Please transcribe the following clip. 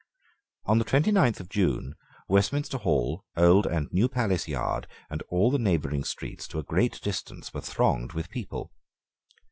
On the twenty ninth of June, Westminster Hall, Old and New Palace Yard, and all the neighbouring streets to a great distance were thronged with people.